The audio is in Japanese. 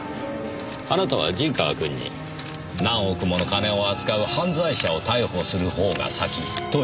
あなたは陣川君に「何億もの金を扱う犯罪者を逮捕するほうが先」と言いました。